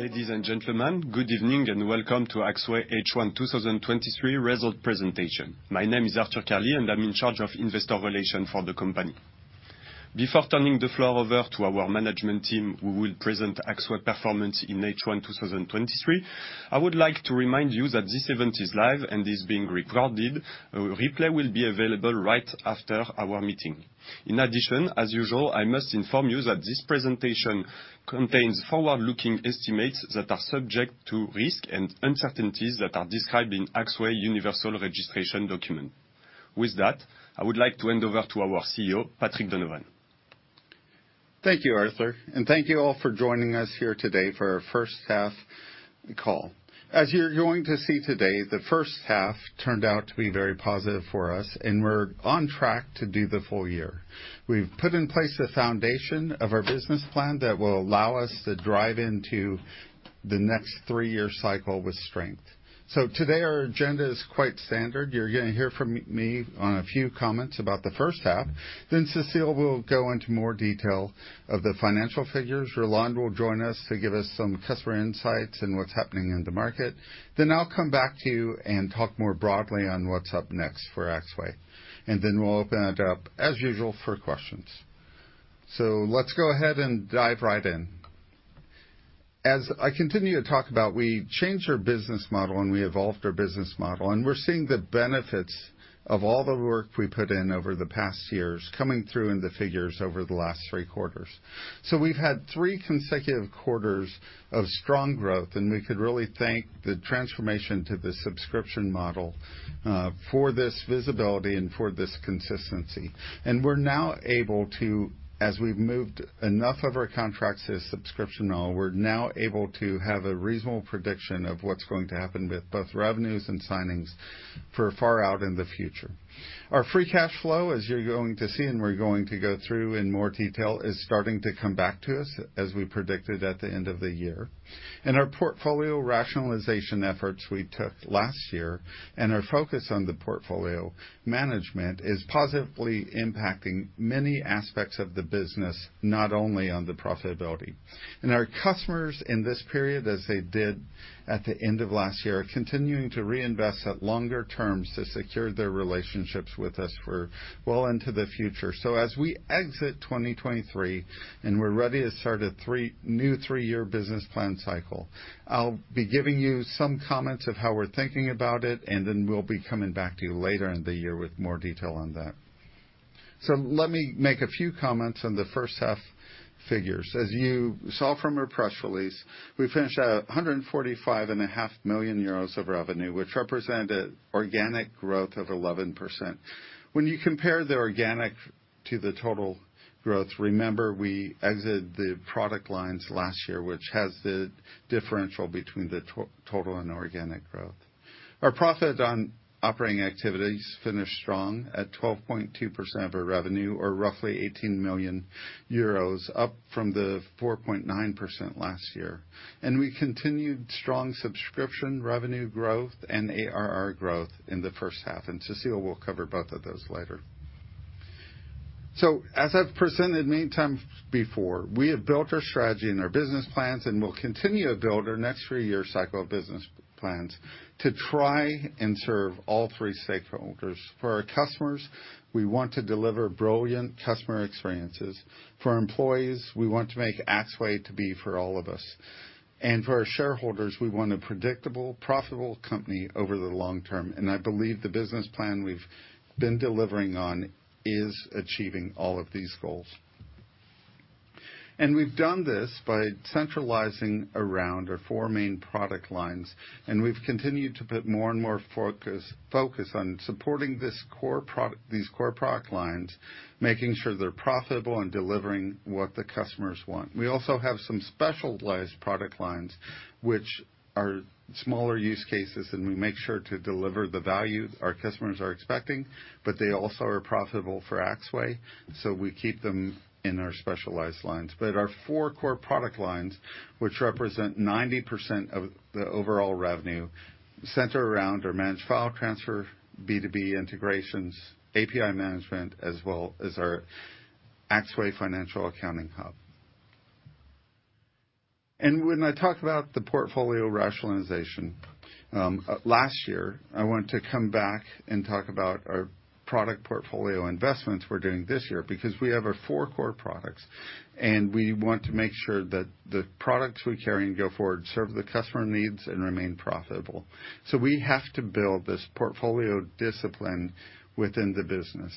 Ladies and gentlemen, good evening, welcome to AxwayH1 2023 Result Presentation. My name is Arthur Carli, and I'm in charge of investor relations for the company. Before turning the floor over to our management team, who will present Axway performance in H1 2023, I would like to remind you that this event is live and is being recorded. A replay will be available right after our meeting. In addition, as usual, I must inform you that this presentation contains forward-looking estimates that are subject to risk and uncertainties that are described in Axway Universal Registration Document. With that, I would like to hand over to our CEO, Patrick Donovan. Thank you, Arthur, and thank you all for joining us here today for our first half call. As you're going to see today, the first half turned out to be very positive for us, and we're on track to do the full year. We've put in place a foundation of our business plan that will allow us to drive into the next three-year cycle with strength. Today, our agenda is quite standard. You're gonna hear from me on a few comments about the first half. Cécile will go into more detail of the financial figures. Roland will join us to give us some customer insights and what's happening in the market. I'll come back to you and talk more broadly on what's up next for Axway, and we'll open it up, as usual, for questions. Let's go ahead and dive right in. As I continue to talk about, we changed our business model, and we evolved our business model, and we're seeing the benefits of all the work we put in over the past years, coming through in the figures over the last three quarters. We've had three consecutive quarters of strong growth, and we could really thank the transformation to the subscription model for this visibility and for this consistency. We're now able to, as we've moved enough of our contracts to subscription model, we're now able to have a reasonable prediction of what's going to happen with both revenues and signings for far out in the future. Our free cash flow, as you're going to see, and we're going to go through in more detail, is starting to come back to us, as we predicted at the end of the year. Our portfolio rationalization efforts we took last year, and our focus on the portfolio management, is positively impacting many aspects of the business, not only on the profitability. Our customers in this period, as they did at the end of last year, are continuing to reinvest at longer terms to secure their relationships with us for well into the future. As we exit 2023, and we're ready to start a new three-year business plan cycle, I'll be giving you some comments of how we're thinking about it, and then we'll be coming back to you later in the year with more detail on that. Let me make a few comments on the first half figures. As you saw from our press release, we finished at 145 and a half million of revenue, which represented organic growth of 11%. When you compare the organic to the total growth, remember, we exited the product lines last year, which has the differential between the total and organic growth. Our profit on operating activities finished strong at 12.2% of our revenue, or roughly 18 million euros, up from the 4.9% last year, and we continued strong subscription revenue growth and ARR growth in the first half, and Cécile will cover both of those later. As I've presented many times before, we have built our strategy and our business plans, and we'll continue to build our next three-year cycle of business plans to try and serve all three stakeholders. For our customers, we want to deliver brilliant customer experiences. For our employees, we want to make Axway to be for all of us. For our shareholders, we want a predictable, profitable company over the long term, and I believe the business plan we've been delivering on is achieving all of these goals. We've done this by centralizing around our four main product lines, and we've continued to put more and more focus on supporting these core product lines, making sure they're profitable and delivering what the customers want. We also have some specialized product lines, which are smaller use cases, and we make sure to deliver the value our customers are expecting, but they also are profitable for Axway, so we keep them in our specialized lines. Our four core product lines, which represent 90% of the overall revenue, center around our Managed File Transfer, B2B Integration, API Management, as well as our Axway Financial Accounting Hub. When I talk about the portfolio rationalization, last year, I want to come back and talk about our product portfolio investments we're doing this year, because we have our four core products, and we want to make sure that the products we carry and go forward serve the customer needs and remain profitable. We have to build this portfolio discipline within the business,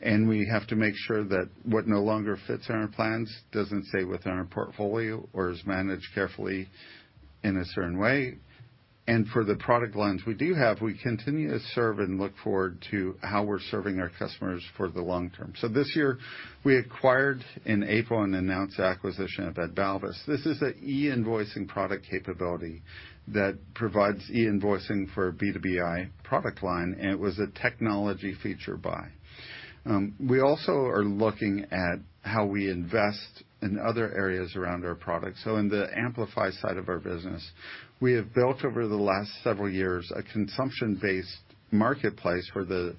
and we have to make sure that what no longer fits in our plans doesn't stay within our portfolio or is managed carefully in a certain way. For the product lines we do have, we continue to serve and look forward to how we're serving our customers for the long term. This year, we acquired, in April, and announced the acquisition of AdValvas. This is a e-invoicing product capability that provides e-invoicing for B2BI product line. It was a technology feature buy. We also are looking at how we invest in other areas around our products. In the Amplify side of our business, we have built over the last several years, a consumption-based marketplace for the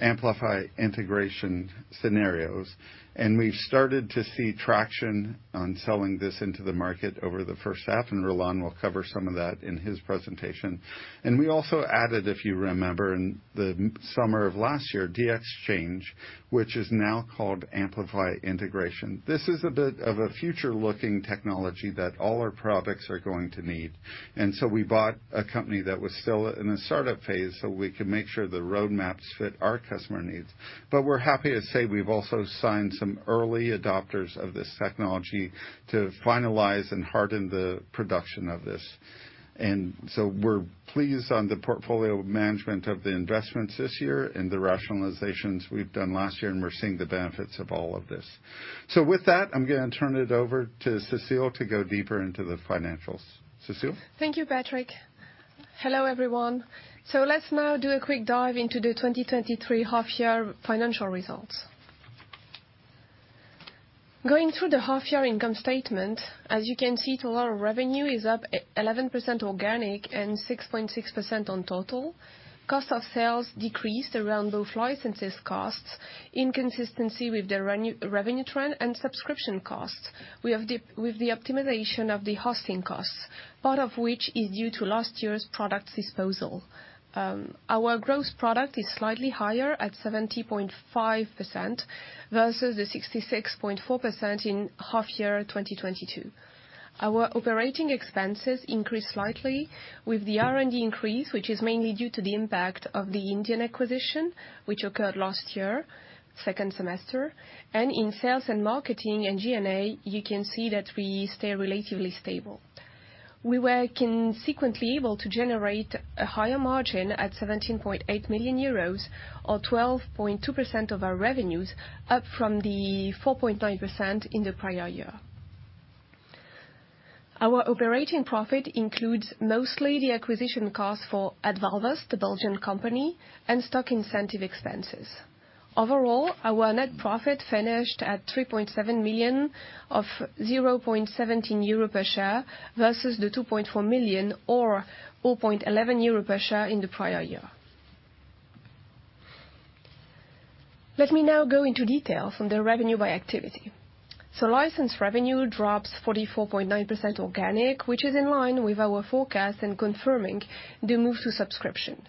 Amplify integration scenarios. We've started to see traction on selling this into the market over the first half, and Roland will cover some of that in his presentation. We also added, if you remember, in the summer of last year, DXchange, which is now called Amplify Integration. This is a bit of a future-looking technology that all our products are going to need. We bought a company that was still in a startup phase, so we can make sure the roadmaps fit our customer needs. We're happy to say we've also signed some early adopters of this technology to finalize and harden the production of this. We're pleased on the portfolio management of the investments this year and the rationalizations we've done last year, and we're seeing the benefits of all of this. With that, I'm gonna turn it over to Cécile to go deeper into the financials. Cécile? Thank you, Patrick. Hello, everyone. Let's now do a quick dive into the 2023 half year financial results. Going through the half year income statement, as you can see, total revenue is up 11% organic and 6.6% on total. Cost of sales decreased around both licenses costs, in consistency with the revenue trend and subscription costs. With the optimization of the hosting costs, part of which is due to last year's product disposal. Our gross product is slightly higher at 70.5% versus the 66.4% in half year 2022. Our operating expenses increased slightly with the R&D increase, which is mainly due to the impact of the Indian acquisition, which occurred last year, second semester. In sales and marketing and G&A, you can see that we stay relatively stable. We were consequently able to generate a higher margin at 17.8 million euros, or 12.2% of our revenues, up from the 4.9% in the prior year. Our operating profit includes mostly the acquisition costs for AdValvas, the Belgian company, and stock incentive expenses. Overall, our net profit finished at 3.7 million of 0.17 euro per share, versus the 2.4 million or 0.11 euro per share in the prior year. Let me now go into detail from the revenue by activity. License revenue drops 44.9% organic, which is in line with our forecast and confirming the move to subscription.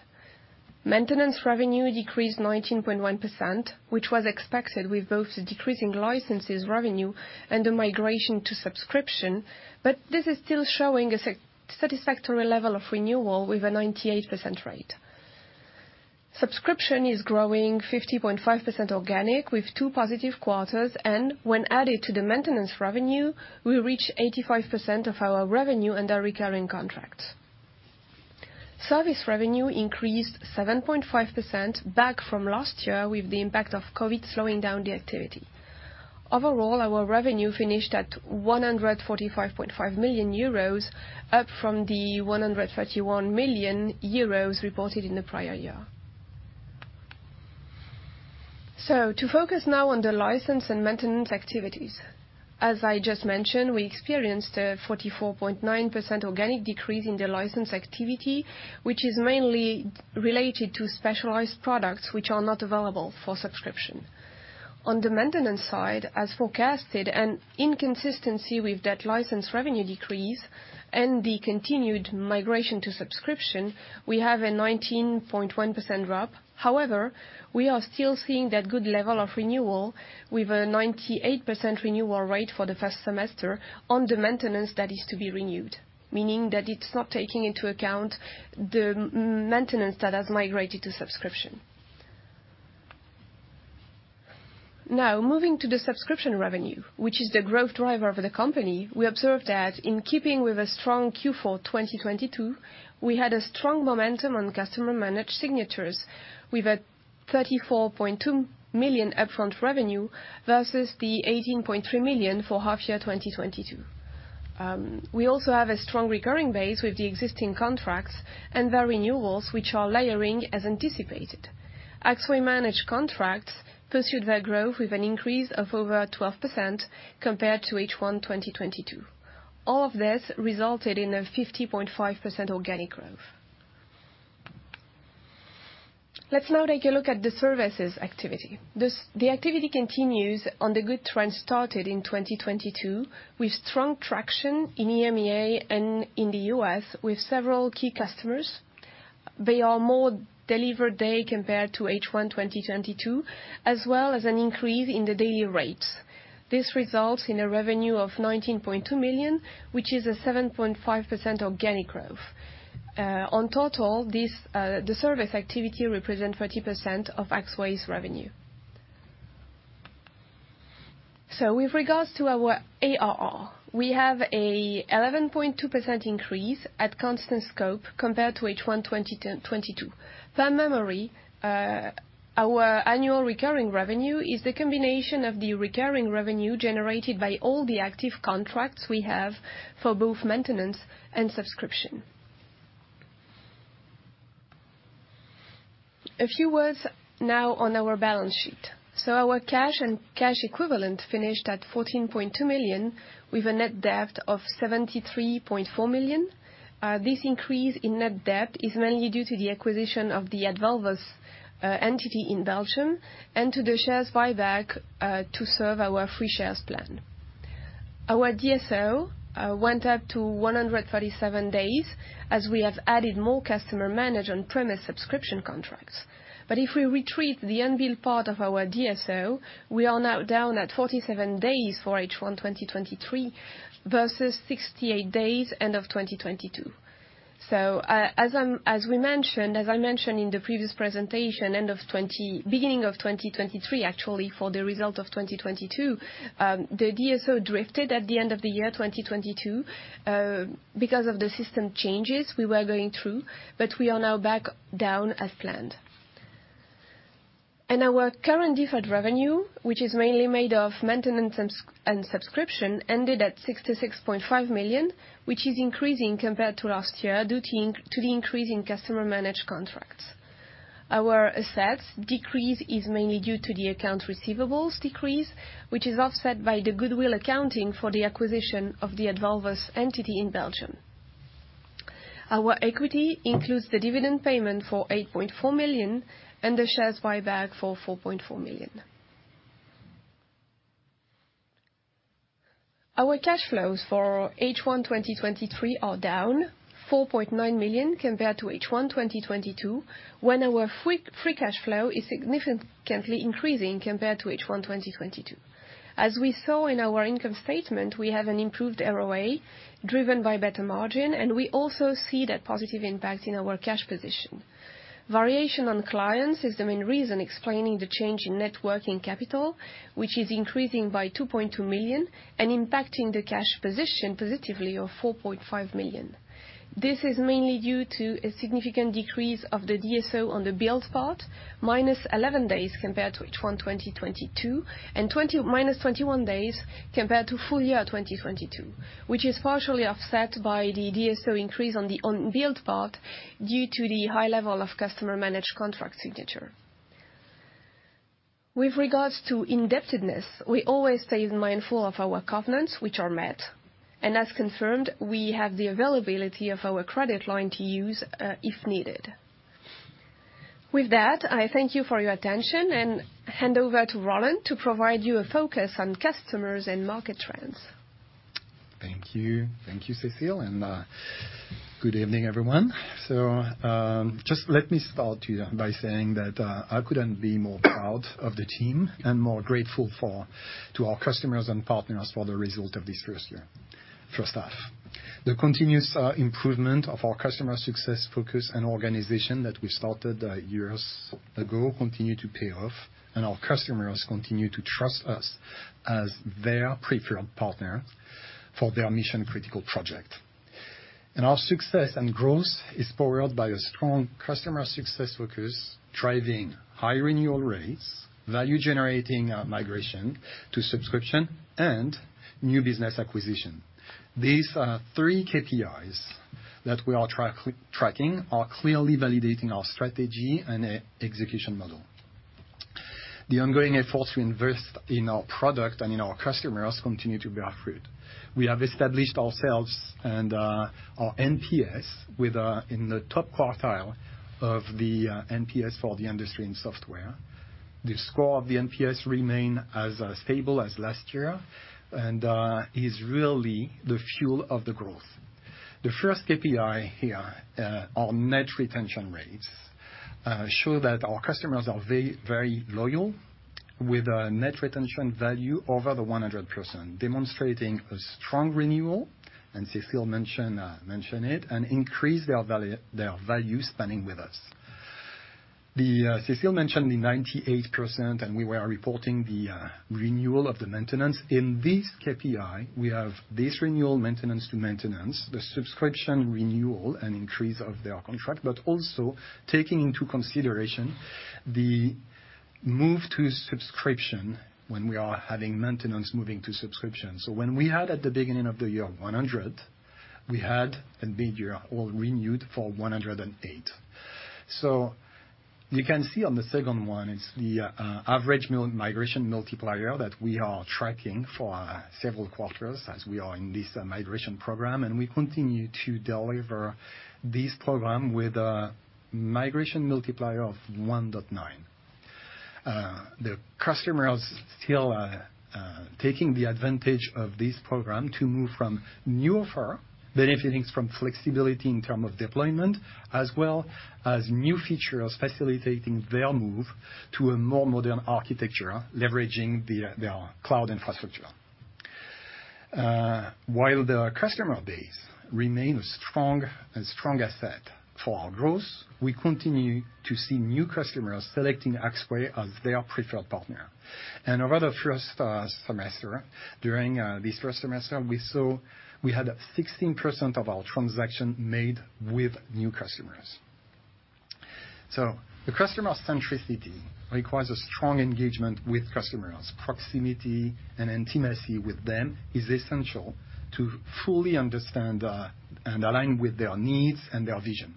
Maintenance revenue decreased 19.1%, which was expected with both the decreasing licenses revenue and the migration to subscription, but this is still showing a satisfactory level of renewal with a 98% rate. Subscription is growing 50.5% organic, with two positive quarters, and when added to the maintenance revenue, we reach 85% of our revenue under recurring contracts. Service revenue increased 7.5% back from last year, with the impact of COVID slowing down the activity. Overall, our revenue finished at 145.5 million euros, up from the 131 million euros reported in the prior year. To focus now on the license and maintenance activities. As I just mentioned, we experienced a 44.9% organic decrease in the license activity, which is mainly related to specialized products which are not available for subscription. On the maintenance side, as forecasted, an inconsistency with that license revenue decrease and the continued migration to subscription, we have a 19.1% drop. However, we are still seeing that good level of renewal with a 98% renewal rate for the first semester on the maintenance that is to be renewed. Meaning that it's not taking into account the maintenance that has migrated to subscription. Now, moving to the subscription revenue, which is the growth driver for the company, we observed that in keeping with a strong Q4 2022, we had a strong momentum on Customer Managed signatures with a 34.2 million upfront revenue versus the 18.3 million for half year 2022. We also have a strong recurring base with the existing contracts and their renewals, which are layering as anticipated. Axway Managed Contracts pursued their growth with an increase of over 12% compared to H1 2022. All of this resulted in a 50.5% organic growth. Let's now take a look at the services activity. The activity continues on the good trend started in 2022, with strong traction in EMEA and in the US with several key customers. They are more delivered there compared to H1 2022, as well as an increase in the daily rates. This results in a revenue of 19.2 million, which is a 7.5% organic growth. On total, this, the service activity represent 30% of Axway's revenue. With regards to our ARR, we have a 11.2% increase at constant scope compared to H1 2022. Per memory, our annual recurring revenue is the combination of the recurring revenue generated by all the active contracts we have for both maintenance and subscription. A few words now on our balance sheet. Our cash and cash equivalent finished at 14.2 million, with a net debt of 73.4 million. This increase in net debt is mainly due to the acquisition of the AdValvas entity in Belgium, and to the shares buyback to serve our free shares plan. Our DSO went up to 137 days as we have added more Customer Managed on-premise subscription contracts. If we retreat the unbilled part of our DSO, we are now down at 47 days for H1 2023, versus 68 days end of 2022. As we mentioned in the previous presentation, beginning of 2023, actually, for the result of 2022, the DSO drifted at the end of the year 2022 because of the system changes we were going through, but we are now back down as planned. Our current deferred revenue, which is mainly made of maintenance and subscription, ended at 66.5 million, which is increasing compared to last year, due to the increase in Customer Managed contracts. Our assets decrease is mainly due to the accounts receivables decrease, which is offset by the goodwill accounting for the acquisition of the AdValvas entity in Belgium. Our equity includes the dividend payment for 8.4 million and the shares buyback for 4.4 million. Our cash flows for H1 2023 are down 4.9 million compared to H1 2022, when our free cash flow is significantly increasing compared to H1 2022. As we saw in our income statement, we have an improved ROA driven by better margin, and we also see that positive impact in our cash position. Variation on clients is the main reason explaining the change in net working capital, which is increasing by 2.2 million and impacting the cash position positively of 4.5 million. This is mainly due to a significant decrease of the DSO on the billed part, -11 days compared to H1 2022, and -21 days compared to full year 2022, which is partially offset by the DSO increase on the unbilled part due to the high level of Customer Managed contract signature. With regards to indebtedness, we always stay mindful of our covenants, which are met, and as confirmed, we have the availability of our credit line to use, if needed. With that, I thank you for your attention and hand over to Roland to provide you a focus on customers and market trends. Thank you. Thank you, Cécile, good evening, everyone. Just let me start you by saying that I couldn't be more proud of the team and more grateful to our customers and partners for the result of this first year, first half. The continuous improvement of our customer success focus and organization that we started years ago continue to pay off, our customers continue to trust us as their preferred partner for their mission-critical project. Our success and growth is powered by a strong customer success focus, driving high renewal rates, value-generating migration to subscription and new business acquisition. These are three KPIs that we are tracking, are clearly validating our strategy and e-execution model. The ongoing efforts we invest in our product and in our customers continue to bear fruit. We have established ourselves and our NPS in the top quartile of the NPS for the industry in software. The score of the NPS remain as stable as last year and is really the fuel of the growth. The first KPI here, our net retention rates, show that our customers are very loyal with a net retention value over 100%, demonstrating a strong renewal, and Cécile mentioned it, and increase their value spending with us. The Cécile mentioned the 98%, and we are reporting the renewal of the maintenance. In this KPI, we have this renewal maintenance to maintenance, the subscription renewal and increase of their contract, but also taking into consideration the move to subscription when we are having maintenance moving to subscription. When we had, at the beginning of the year, 100, we had at midyear, all renewed for 108. You can see on the second one, it's the average migration multiplier that we are tracking for several quarters as we are in this migration program, and we continue to deliver this program with a migration multiplier of 1.9. The customer is still taking the advantage of this program to move from new offer, benefiting from flexibility in term of deployment, as well as new features facilitating their move to a more modern architecture, leveraging their cloud infrastructure. While the customer base remain a strong asset for our growth, we continue to see new customers selecting Axway as their preferred partner. Over the first semester, during this first semester, we had 16% of our transaction made with new customers.. The customer centricity requires a strong engagement with customers. Proximity and intimacy with them is essential to fully understand and align with their needs and their vision.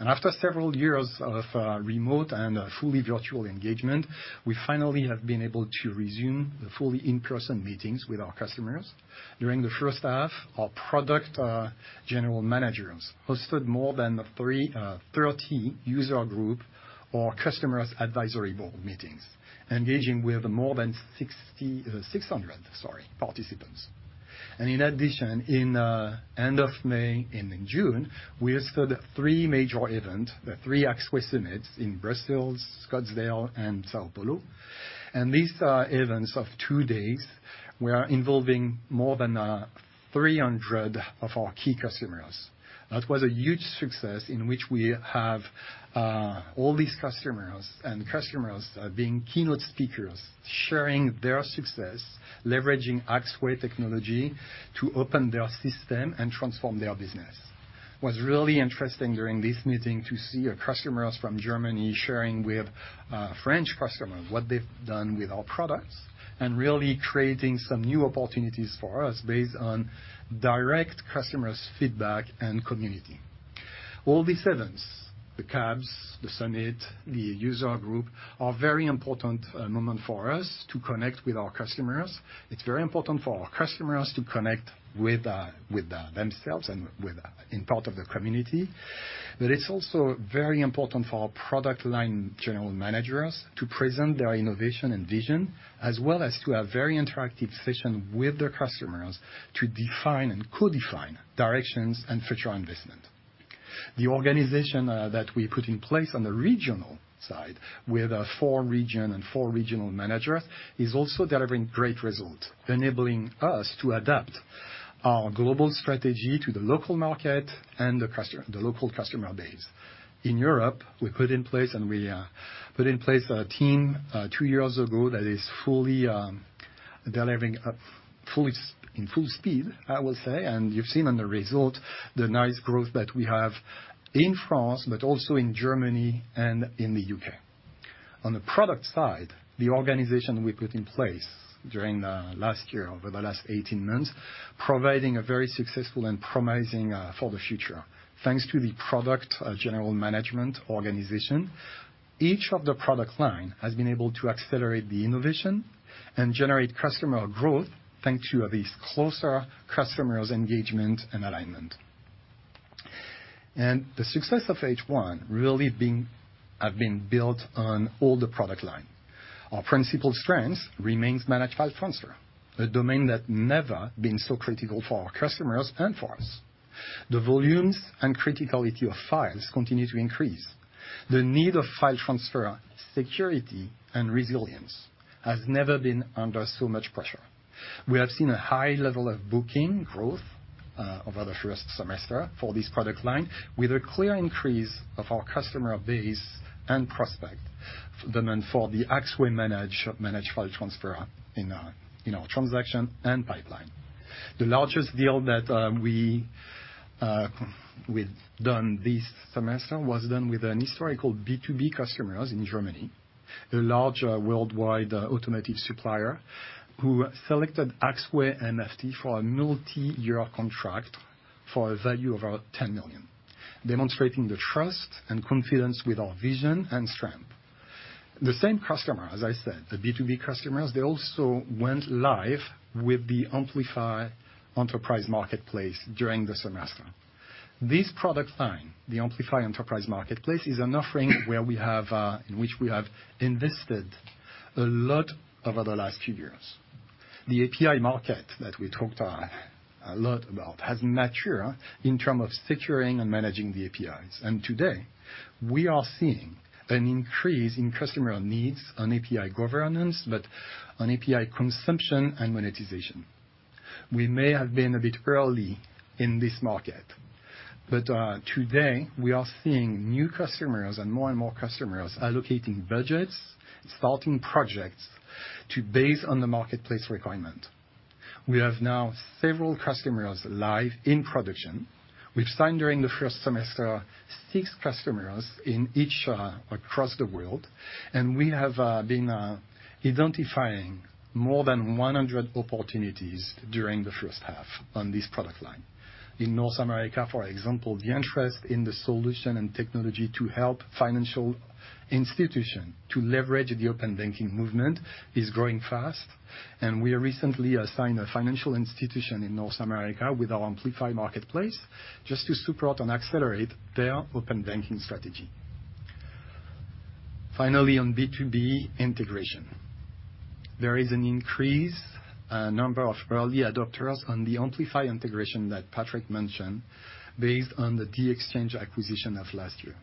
After several years of remote and fully virtual engagement, we finally have been able to resume the fully in-person meetings with our customers. During the first half, our product general managers hosted more than 30 user group or Customer Advisory Board meetings, engaging with more than 600, sorry, participants. In addition, in end of May and in June, we hosted three major event, the three Axway summits in Brussels, Scottsdale, and São Paulo. These events of two days were involving more than 300 of our key customers. That was a huge success in which we have all these customers being keynote speakers, sharing their success, leveraging Axway technology to open their system and transform their business. What's really interesting during this meeting, to see our customers from Germany sharing with French customers what they've done with our products, and really creating some new opportunities for us based on direct customers feedback and community. These events, the CABs, the summit, the user group, are very important moment for us to connect with our customers. It's very important for our customers to connect with themselves and with in part of the community. It's also very important for our product line general managers to present their innovation and vision, as well as to have very interactive session with their customers to define and co-define directions and future investment. The organization that we put in place on the regional side, with four region and four regional managers, is also delivering great results, enabling us to adapt our global strategy to the local market and the local customer base. In Europe, we put in place a team two years ago that is fully delivering a full, in full speed, I will say. You've seen on the result, the nice growth that we have in France, but also in Germany and in the U.K. On the product side, the organization we put in place during the last year, over the last 18 months, providing a very successful and promising for the future. Thanks to the product general management organization, each of the product line has been able to accelerate the innovation and generate customer growth, thanks to this closer customers engagement and alignment. The success of H1 have been built on all the product line. Our principal strength remains Managed File Transfer, a domain that never been so critical for our customers and for us. The volumes and criticality of files continue to increase. The need of file transfer, security and resilience, has never been under so much pressure. We have seen a high level of booking growth over the first semester for this product line, with a clear increase of our customer base and prospect, demand for the Axway Managed File Transfer in our transaction and pipeline. The largest deal that we've done this semester was done with an historical B2B customers in Germany, a large worldwide automotive supplier, who selected Axway MFT for a multi-year contract for a value of about 10 million. Demonstrating the trust and confidence with our vision and strength. The same customer, as I said, the B2B customers, they also went live with the Amplify Enterprise Marketplace during the semester. This product line, the Amplify Enterprise Marketplace, is an offering where we have in which we have invested a lot over the last few years. The API market that we talked a lot about, has matured in term of securing and managing the APIs. Today, we are seeing an increase in customer needs on API governance, but on API consumption and monetization. We may have been a bit early in this market, but today, we are seeing new customers and more and more customers allocating budgets, starting projects to base on the marketplace requirement. We have now several customers live in production. We've signed during the first semester, 6 customers in each across the world, and we have been identifying more than 100 opportunities during the first half on this product line. In North America, for example, the interest in the solution and technology to help financial institution to leverage the open banking movement is growing fast. We recently signed a financial institution in North America with our Amplify Marketplace, just to support and accelerate their open banking strategy. Finally, on B2B Integration. There is an increased number of early adopters on the Amplify Integration that Patrick mentioned, based on the DXchange acquisition of last year.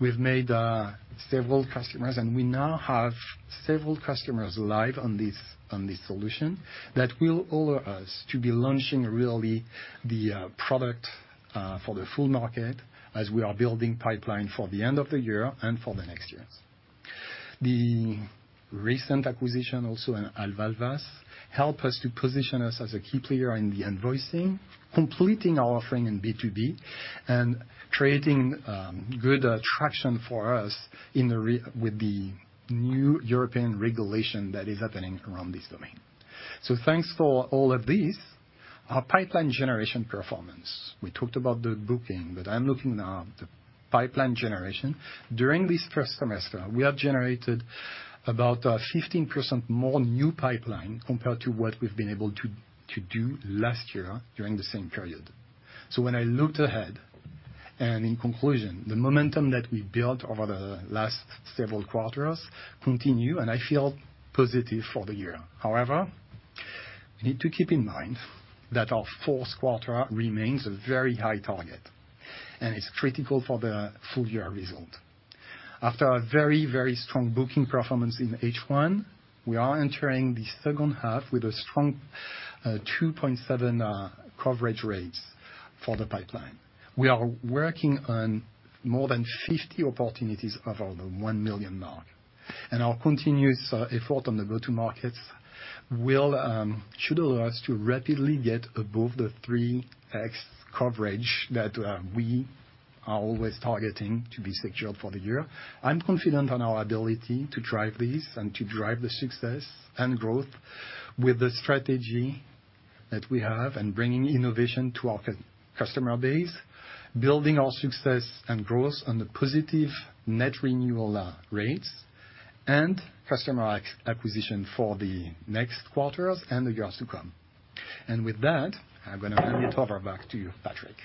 We've made several customers, and we now have several customers live on this solution, that will allow us to be launching really the product for the full market as we are building pipeline for the end of the year and for the next year.... The recent acquisition also in AdValvas, help us to position us as a key player in the invoicing, completing our offering in B2B and creating good attraction for us with the new European regulation that is happening around this domain. Thanks for all of this. Our pipeline generation performance. We talked about the booking, but I'm looking now the pipeline generation. During this first semester, we have generated about 15% more new pipeline compared to what we've been able to do last year during the same period. When I looked ahead, and in conclusion, the momentum that we built over the last several quarters continue, and I feel positive for the year. However, we need to keep in mind that our fourth quarter remains a very high target, and it's critical for the full year result. After a very, very strong booking performance in H1, we are entering the second half with a strong, 2.7 coverage rates for the pipeline. We are working on more than 50 opportunities above the 1 million mark. Our continuous effort on the go-to-markets should allow us to rapidly get above the 3x coverage that we are always targeting to be secured for the year. I'm confident on our ability to drive this and to drive the success and growth with the strategy that we have and bringing innovation to our customer base, building our success and growth on the positive net renewal rates and customer acquisition for the next quarters and the years to come. With that, I'm gonna hand it over back to you, Patrick.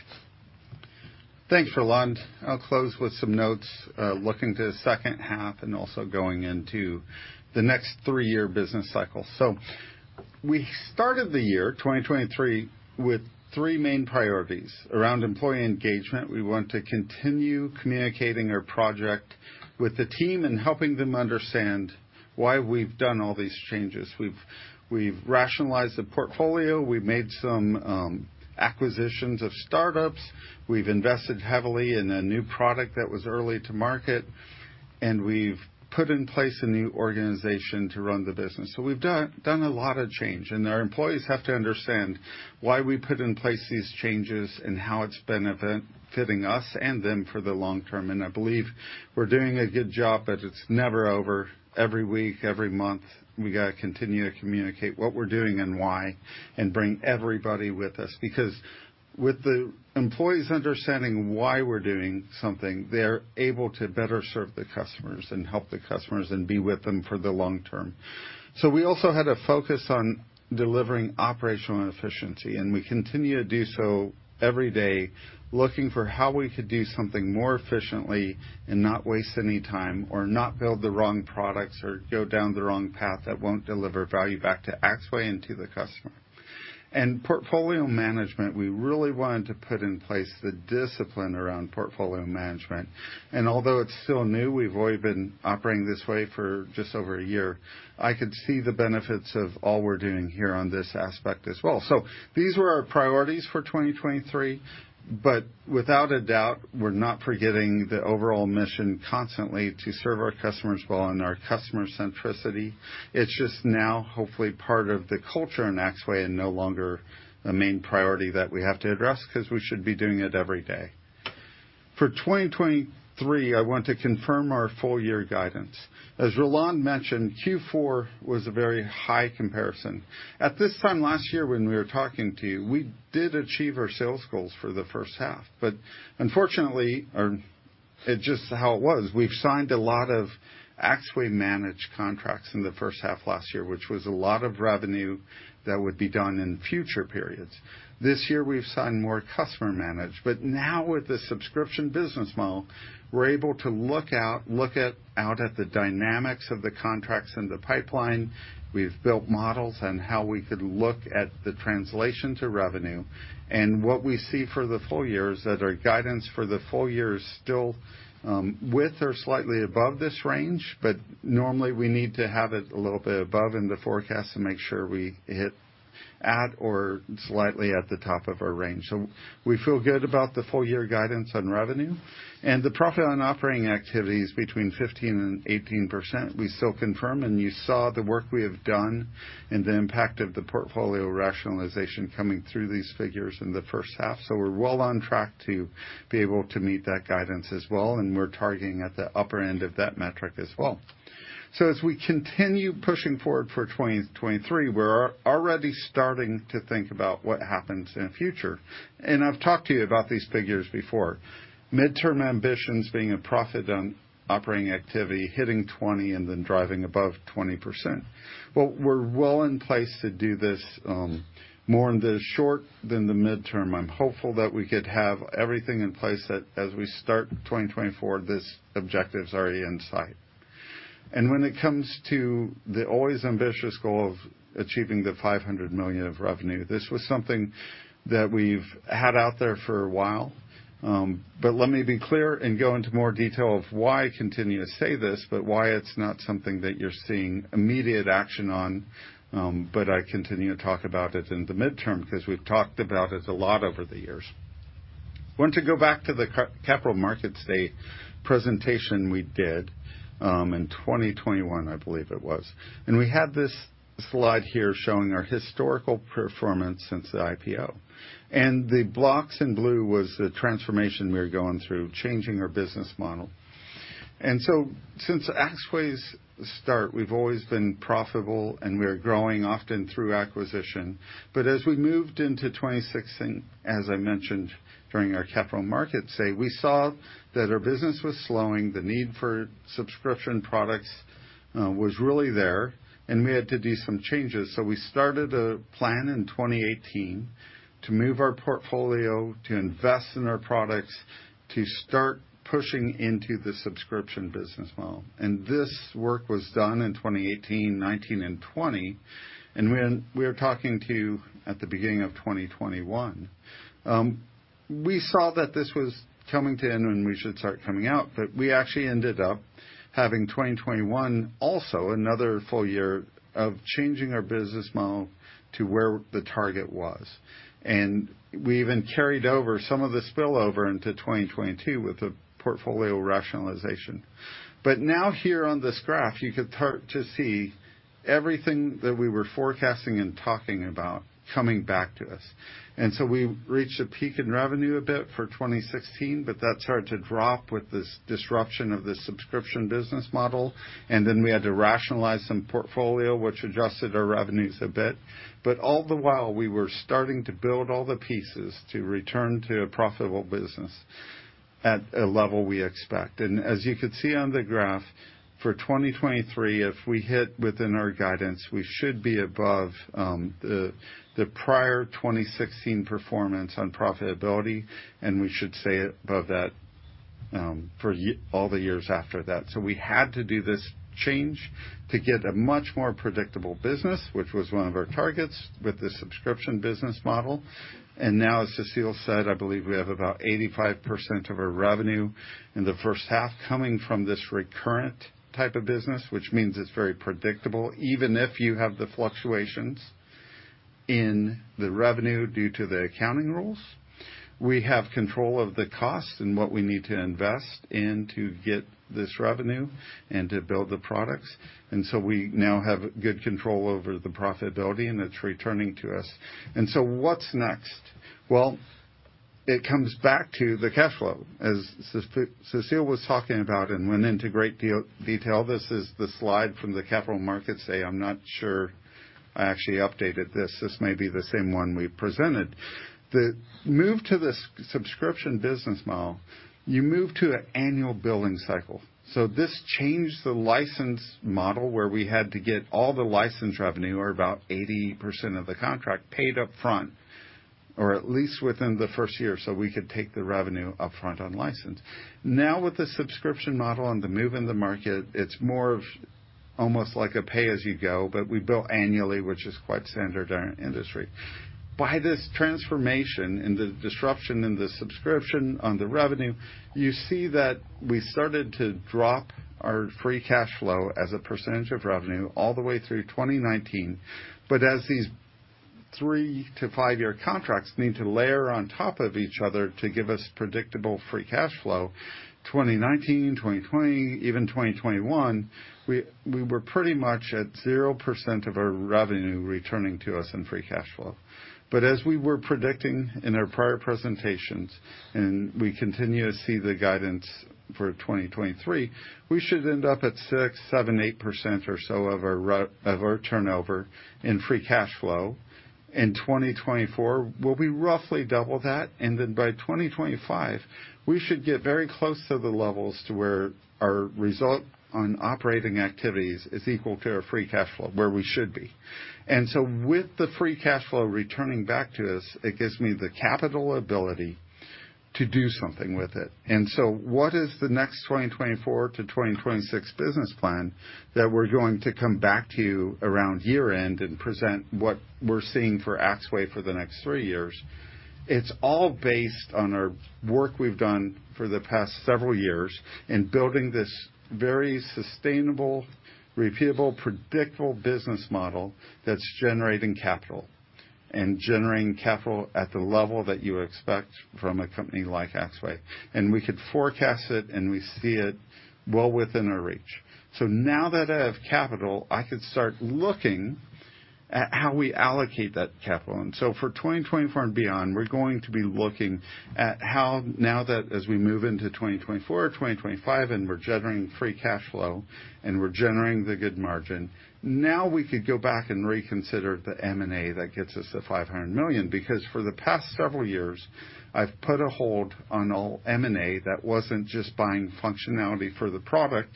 Thanks, Roland. I'll close with some notes looking to the second half and also going into the next three-year business cycle. We started the year 2023 with three main priorities. Around employee engagement, we want to continue communicating our project with the team and helping them understand why we've done all these changes. We've rationalized the portfolio, we've made some acquisitions of startups, we've invested heavily in a new product that was early to market, and we've put in place a new organization to run the business. We've done a lot of change, and our employees have to understand why we put in place these changes and how it's benefiting us and them for the long term. I believe we're doing a good job, but it's never over. Every week, every month, we got to continue to communicate what we're doing and why, and bring everybody with us. With the employees understanding why we're doing something, they're able to better serve the customers and help the customers and be with them for the long term. We also had a focus on delivering operational efficiency, and we continue to do so every day, looking for how we could do something more efficiently and not waste any time, or not build the wrong products, or go down the wrong path that won't deliver value back to Axway and to the customer. Portfolio management, we really wanted to put in place the discipline around portfolio management. Although it's still new, we've only been operating this way for just over a year, I could see the benefits of all we're doing here on this aspect as well. These were our priorities for 2023, but without a doubt, we're not forgetting the overall mission constantly to serve our customers well and our customer centricity. It's just now, hopefully, part of the culture in Axway and no longer a main priority that we have to address, 'cause we should be doing it every day. For 2023, I want to confirm our full year guidance. As Roland mentioned, Q4 was a very high comparison. At this time last year, when we were talking to you, we did achieve our sales goals for the first half, but unfortunately, or it's just how it was, we've signed a lot of Axway Managed contracts in the first half last year, which was a lot of revenue that would be done in future periods. This year, we've signed more Customer Managed, now with the subscription business model, we're able to look at, out at the dynamics of the contracts in the pipeline. We've built models on how we could look at the translation to revenue. What we see for the full year is that our guidance for the full year is still with or slightly above this range, normally, we need to have it a little bit above in the forecast to make sure we hit at or slightly at the top of our range. We feel good about the full year guidance on revenue, the profit on operating activities between 15% and 18%, we still confirm. You saw the work we have done and the impact of the portfolio rationalization coming through these figures in the first half. We're well on track to be able to meet that guidance as well, and we're targeting at the upper end of that metric as well. As we continue pushing forward for 2023, we're already starting to think about what happens in the future. I've talked to you about these figures before. Mid-term ambitions being a profit on operating activities, hitting 20 and then driving above 20%. We're well in place to do this, more in the short than the midterm. I'm hopeful that we could have everything in place, that as we start 2024, this objective is already in sight. When it comes to the always ambitious goal of achieving the 500 million of revenue, this was something that we've had out there for a while. Let me be clear and go into more detail of why I continue to say this, why it's not something that you're seeing immediate action on, I continue to talk about it in the midterm, because we've talked about it a lot over the years. I want to go back to the Capital Markets Day presentation we did in 2021, I believe it was. We had this slide here showing our historical performance since the IPO. The blocks in blue was the transformation we were going through, changing our business model. Since Axway's start, we've always been profitable, and we are growing often through acquisition. As we moved into 2016, as I mentioned during our Capital Markets Day, we saw that our business was slowing, the need for subscription products was really there, and we had to do some changes. We started a plan in 2018 to move our portfolio, to invest in our products, to start pushing into the subscription business model. This work was done in 2018, 2019 and 2020, and we are talking to at the beginning of 2021. We saw that this was coming to an end and we should start coming out, but we actually ended up having 2021, also another full year of changing our business model to where the target was. We even carried over some of the spillover into 2022 with the portfolio rationalization. Now here on this graph, you can start to see everything that we were forecasting and talking about coming back to us. We reached a peak in revenue a bit for 2016, but that started to drop with this disruption of the subscription business model. We had to rationalize some portfolio, which adjusted our revenues a bit. All the while, we were starting to build all the pieces to return to a profitable business at a level we expect. As you could see on the graph, for 2023, if we hit within our guidance, we should be above the prior 2016 performance on profitability, and we should stay above that for all the years after that. We had to do this change to get a much more predictable business, which was one of our targets with the subscription business model. Now, as Cécile said, I believe we have about 85% of our revenue in the first half coming from this recurrent type of business, which means it's very predictable, even if you have the fluctuations in the revenue due to the accounting rules. We have control of the cost and what we need to invest in to get this revenue and to build the products. We now have good control over the profitability, and it's returning to us. What's next? Well, it comes back to the cash flow. As Cécile was talking about and went into great detail, this is the slide from the Capital Markets Day. I'm not sure I actually updated this. This may be the same one we presented. The move to the subscription business model, you move to an annual billing cycle. This changed the license model, where we had to get all the license revenue, or about 80% of the contract, paid up front, or at least within the first year, so we could take the revenue upfront on license. With the subscription model and the move in the market, it's more of almost like a pay-as-you-go, but we bill annually, which is quite standard in our industry. By this transformation and the disruption in the subscription on the revenue, you see that we started to drop our free cash flow as a percentage of revenue all the way through 2019. As these 3-5-year contracts need to layer on top of each other to give us predictable free cash flow, 2019, 2020, even 2021, we were pretty much at 0% of our revenue returning to us in free cash flow. As we were predicting in our prior presentations, and we continue to see the guidance for 2023, we should end up at 6%, 7%, 8% or so of our turnover in free cash flow. In 2024, we'll be roughly double that, and then by 2025, we should get very close to the levels to where our profit on operating activities is equal to our free cash flow, where we should be. With the free cash flow returning back to us, it gives me the capital ability to do something with it. What is the next 2024-2026 business plan that we're going to come back to you around year-end and present what we're seeing for Axway for the next three years? It's all based on our work we've done for the past several years in building this very sustainable, repeatable, predictable business model that's generating capital, and generating capital at the level that you expect from a company like Axway. We could forecast it, and we see it well within our reach. Now that I have capital, I could start looking at how we allocate that capital. For 2024 and beyond, we're going to be looking at how now that as we move into 2024 or 2025, and we're generating free cash flow, and we're generating the good margin, now we could go back and reconsider the M&A that gets us to 500 million. For the past several years, I've put a hold on all M&A that wasn't just buying functionality for the product,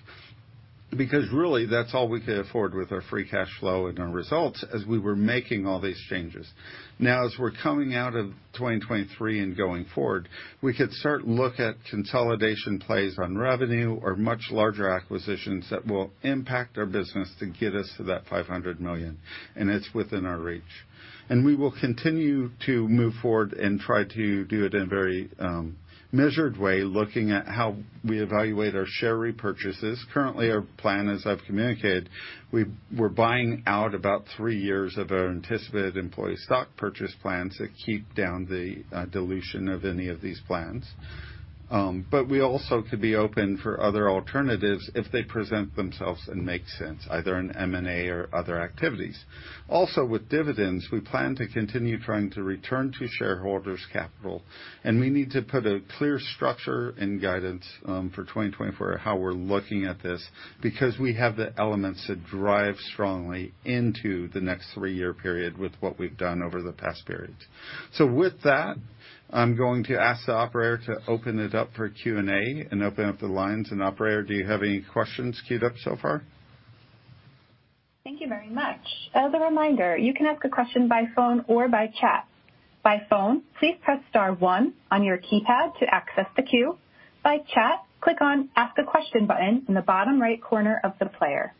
because really, that's all we could afford with our free cash flow and our results as we were making all these changes. As we're coming out of 2023 and going forward, we could start to look at consolidation plays on revenue or much larger acquisitions that will impact our business to get us to that 500 million, and it's within our reach. We will continue to move forward and try to do it in very measured way, looking at how we evaluate our share repurchases. Currently, our plan, as I've communicated, we're buying out about 3 years of our anticipated employee stock purchase plans to keep down the dilution of any of these plans. We also could be open for other alternatives if they present themselves and make sense, either in M&A or other activities. With dividends, we plan to continue trying to return to shareholders' capital, and we need to put a clear structure and guidance for 2024, how we're looking at this, because we have the elements that drive strongly into the next 3-year period with what we've done over the past periods. With that, I'm going to ask the operator to open it up for Q&A and open up the lines. Operator, do you have any questions queued up so far? Thank you very much. As a reminder, you can ask a question by phone or by chat. By phone, please press star one on your keypad to access the queue. By chat, click on Ask a Question button in the bottom right corner of the player.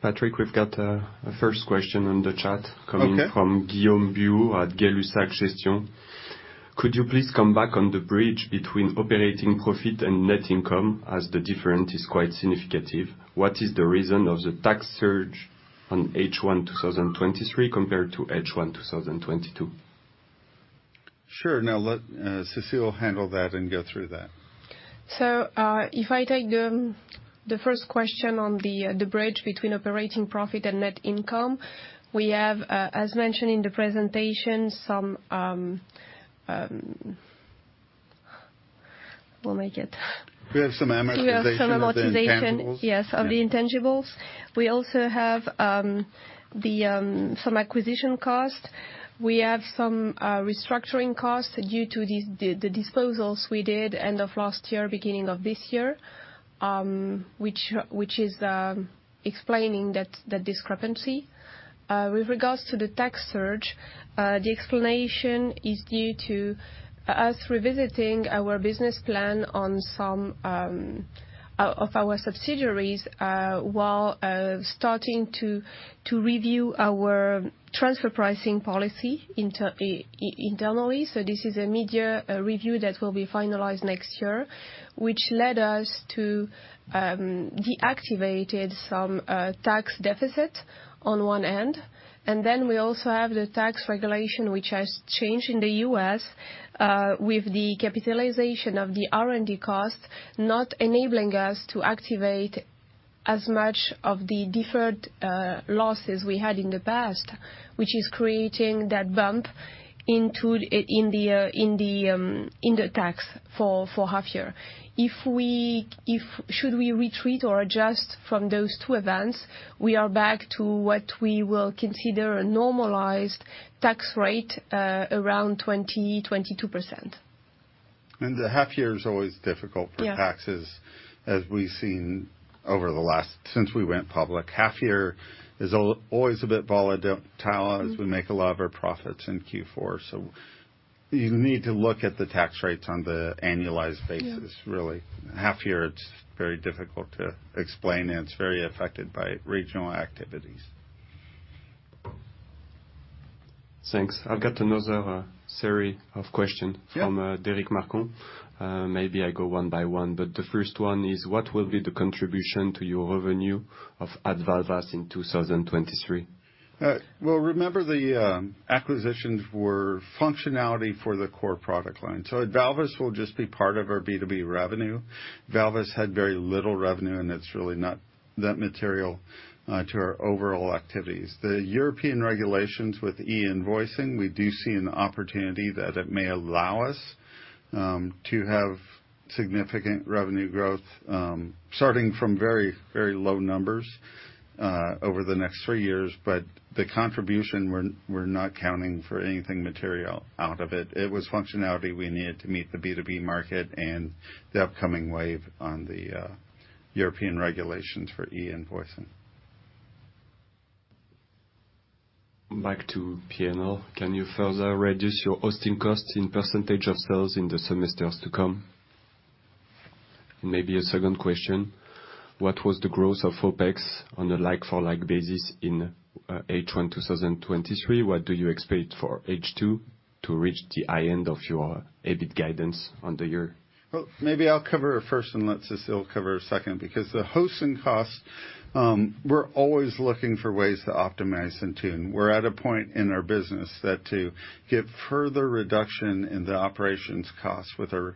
Patrick, we've got a first question on the chat. Okay. Coming from Guillaume Biau at Galux Ascension. Could you please come back on the bridge between operating profit and net income, as the difference is quite significant? What is the reason of the tax surge on H1 2023 compared to H1 2022? Sure. Now, let Cécile handle that and go through that. If I take the first question on the bridge between operating profit and net income, we have, as mentioned in the presentation, some, we'll make it... We have some amortization of the intangibles. We have some amortization. Yeah. Yes, of the intangibles. We also have some acquisition costs. We have some restructuring costs due to the disposals we did end of last year, beginning of this year, which is explaining that discrepancy. With regards to the tax surge, the explanation is due to us revisiting our business plan on some of our subsidiaries, while starting to review our transfer pricing policy internally. This is a midyear review that will be finalized next year, which led us to deactivated some tax deficit on one end, and then we also have the tax regulation, which has changed in the U.S., with the capitalization of the R&D costs, not enabling us to activate as much of the deferred losses we had in the past, which is creating that bump into in the tax for half year. If we should we retreat or adjust from those two events, we are back to what we will consider a normalized tax rate around 20%-22%. The half year is always difficult. Yeah for taxes, as we've seen over the last, since we went public. Half year is always a bit volatile. Mm-hmm. as we make a lot of our profits in Q4. You need to look at the tax rates on the annualized basis. Yeah really. Half year, it's very difficult to explain, and it's very affected by regional activities. Thanks. I've got another series of question. Yeah From Derric Marcon. Maybe I go one by one, the first one is: What will be the contribution to your revenue of AdValvas in 2023? Well, remember the acquisitions were functionality for the core product line, AdValvas will just be part of our B2B revenue. AdValvas had very little revenue, it's really not that material to our overall activities. The European regulations with e-invoicing, we do see an opportunity that it may allow us to have significant revenue growth starting from very, very low numbers over the next three years. The contribution, we're not counting for anything material out of it. It was functionality we needed to meet the B2B market and the upcoming wave on the European regulations for e-invoicing. Back to P&L: Can you further reduce your hosting costs in % of sales in the semesters to come? Maybe a second question: What was the growth of OpEx on a like for like basis in H1 2023? What do you expect for H2 to reach the high end of your EBIT guidance on the year? Maybe I'll cover first, and let Cécile cover second, because the hosting costs, we're always looking for ways to optimize and tune. We're at a point in our business that to get further reduction in the operations cost with our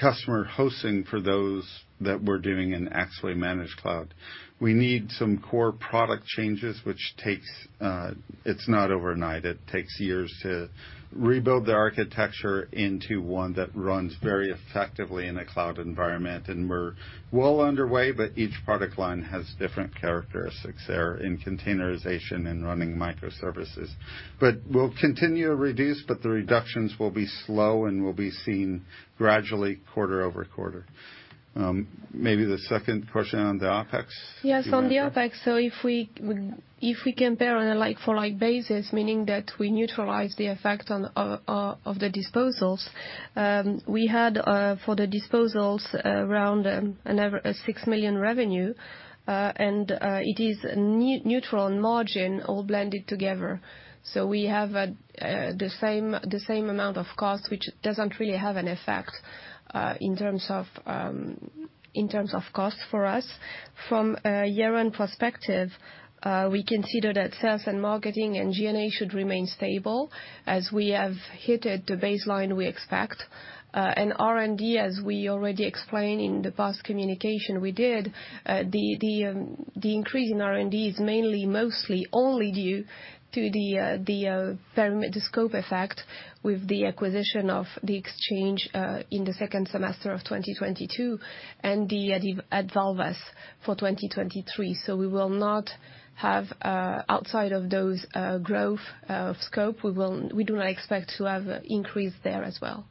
customer hosting for those that we're doing an actually managed cloud. We need some core product changes, which takes. It's not overnight. It takes years to rebuild the architecture into one that runs very effectively in a cloud environment, and we're well underway, but each product line has different characteristics there in containerization and running microservices. We'll continue to reduce, but the reductions will be slow and will be seen gradually quarter-over-quarter. Maybe the second question on the OpEx? If we compare on a like for like basis, meaning that we neutralize the effect of the disposals, we had for the disposals around 6 million revenue, and it is neutral on margin, all blended together. We have the same amount of cost, which doesn't really have an effect in terms of cost for us. From a year-end perspective, we consider that sales and marketing and G&A should remain stable as we have hit at the baseline we expect. R&D, as we already explained in the past communication we did, the increase in R&D is mainly, mostly only due to the scope effect with the acquisition of the exchange in the second semester of 2022, and AdValvas for 2023. We will not have, outside of those growth scope, we do not expect to have increase there as well.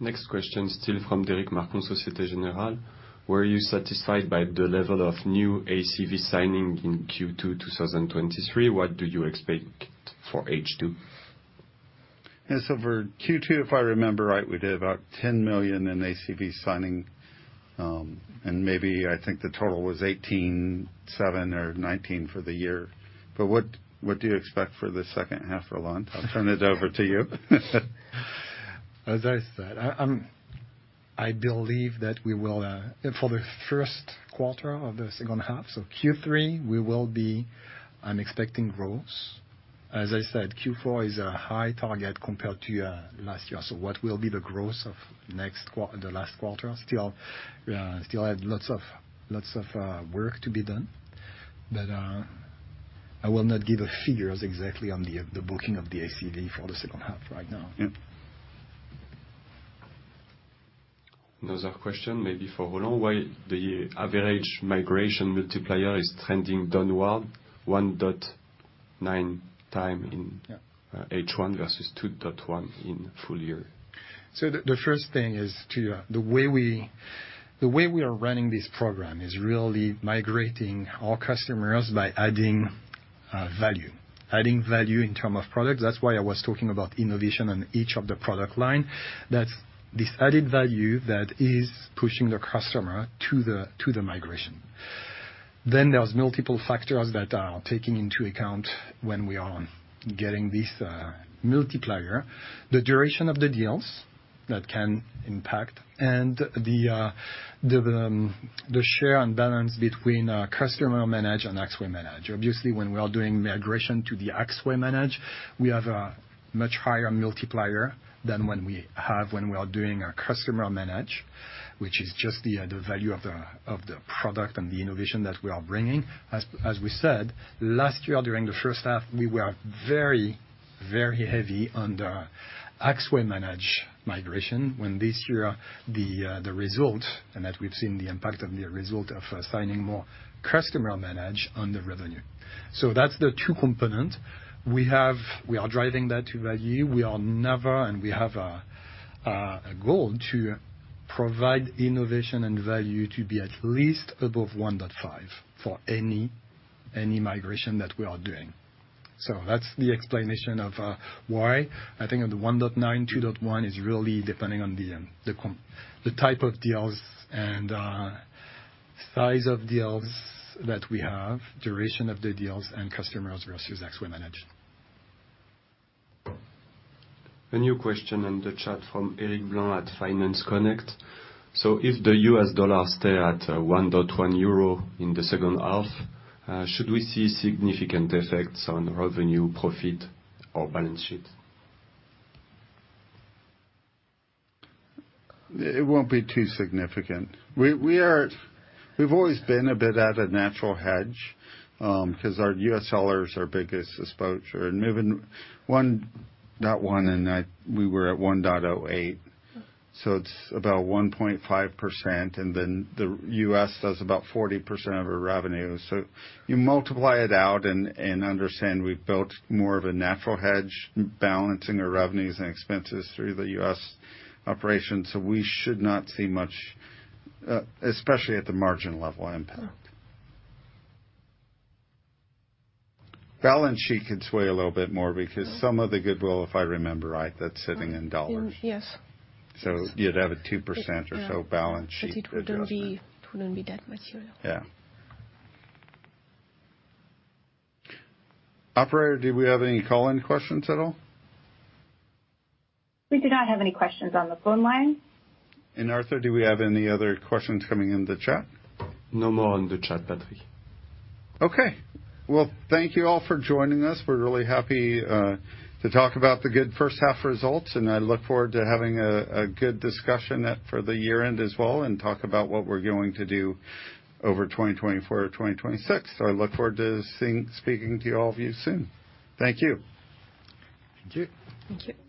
Next question, still from Derric Marcon, Societe Generale. Were you satisfied by the level of new ACV signing in Q2, 2023? What do you expect for H2? For Q2, if I remember right, we did about 10 million in ACV signing. Maybe I think the total was 18.7 million or 19 million for the year. What, what do you expect for the second half, Roland? I'll turn it over to you. As I said, I believe that we will for the first quarter of the second half, so Q3, we will be I'm expecting growth. As I said, Q4 is a high target compared to last year. What will be the growth of the last quarter? Still, still have lots of work to be done. I will not give figures exactly on the booking of the ACV for the second half right now. Yep. Another question, maybe for Roland. Why the average migration multiplier is trending downward 1.9 times? Yeah. H1 versus 2.1 in full year? The first thing is to, the way we are running this program is really migrating our customers by adding value. Adding value in term of products. That's why I was talking about innovation on each of the product line. That's this added value that is pushing the customer to the migration. There's multiple factors that are taking into account when we are getting this multiplier. The duration of the deals, that can impact, and the share and balance between Customer Managed and Axway Managed. Obviously, when we are doing migration to the Axway Managed, we have a much higher multiplier than when we are doing our Customer Managed, which is just the value of the product and the innovation that we are bringing. As we said, last year, during the first half, we were very, very heavy on the Axway Managed migration, when this year, the result, and that we've seen the impact of the result of signing more Customer Managed on the revenue. That's the two component. We are driving that value. We are never and we have a goal to provide innovation and value to be at least above 1.5 for any migration that we are doing. That's the explanation of why. I think the 1.9-2.1 is really depending on the type of deals and size of deals that we have, duration of the deals, and customers versus Axway Managed. A new question in the chat from Eric Blanc at Finance Connect. If the US dollar stay at 1.1 euro in the second half, should we see significant effects on revenue, profit, or balance sheets? It won't be too significant. We've always been a bit at a natural hedge, 'cause our U.S. sellers, our biggest exposure, and moving 1.1, we were at 1.08. It's about 1.5%, and then the U.S. does about 40% of our revenue. You multiply it out and understand we've built more of a natural hedge, balancing our revenues and expenses through the U.S. operation. We should not see much, especially at the margin level, impact. Yeah. Balance sheet could sway a little bit more, because some of the goodwill, if I remember right, that's sitting in dollars. In, yes. You'd have a 2% or so balance sheet adjustment. It wouldn't be that much here. Yeah. Operator, do we have any call-in questions at all? We do not have any questions on the phone line. Arthur, do we have any other questions coming in the chat? No more on the chat, Patrick. Okay. Well, thank you all for joining us. We're really happy to talk about the good first half results, and I look forward to having a good discussion at, for the year end as well, and talk about what we're going to do over 2024 to 2026. I look forward to speaking to all of you soon. Thank you. Thank you. Thank you.